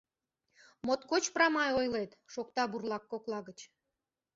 Моткоч прамай ойлет! — шокта бурлак кокла гыч.